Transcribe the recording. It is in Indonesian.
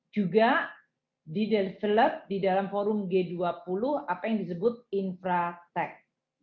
juga di develop di dalam forum g dua puluh apa yang disebut infratech